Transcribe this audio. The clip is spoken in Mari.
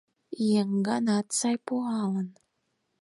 Еҥганат сай пуалын.